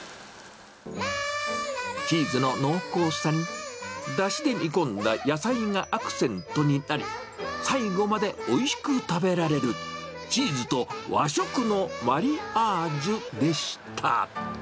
チーズの濃厚さに、だしで煮込んだ野菜がアクセントになり、最後までおいしく食べられる、チーズと和食のマリアージュでした。